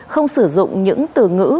không sử dụng những từ ngữ